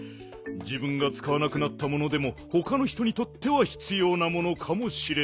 じぶんがつかわなくなったものでもほかの人にとってはひつようなものかもしれないぞよ。